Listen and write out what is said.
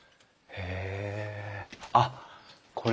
へえ。